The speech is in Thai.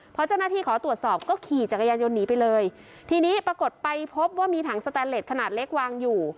พอเจ้าหน้าที่ขอตรวจสอบก็ขี่จักรยานยนต์หนีไปเลยทีนี้ปรากฏไปพบว่ามีถังสแตนเล็ตขนาดเล็กวางอยู่